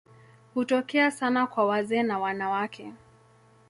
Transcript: Hutokea sana kwa wazee na wanawake.